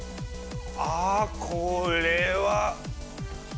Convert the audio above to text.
ああこれは。